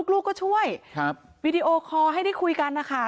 ลูกก็ช่วยวีดีโอคอร์ให้ได้คุยกันนะคะ